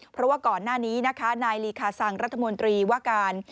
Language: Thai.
เพราะว่าก่อนหน้านี้นะคะนายลีคาซังรัฐมนตรีว่าการ